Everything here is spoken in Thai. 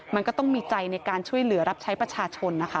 มันก็ต้องมีใจในการช่วยเหลือรับใช้ประชาชนนะคะ